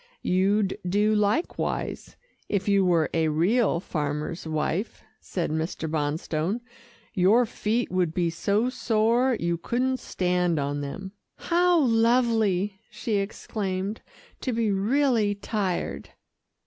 "You'd do likewise, if you were a real farmer's wife," said Mr. Bonstone. "Your feet would be so sore, you couldn't stand on them." "How lovely!" she exclaimed, "to be really tired."